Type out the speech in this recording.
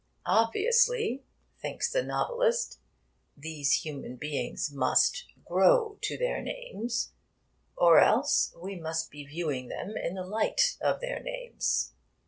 'Obviously,' thinks the novelist, 'these human beings must "grow to" their names; or else, we must be viewing them in the light of their names.'